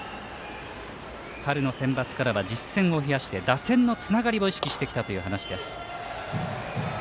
春のセンバツからは実戦を増やして打線のつながりを意識してきたという話です。